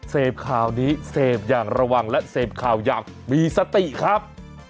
เสพข่าวนี้เสพอย่างระวังและเสพข่าวอย่างมีสติครับ